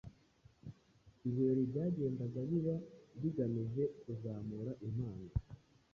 ibirori byagendaga biba bigamije kuzamura impano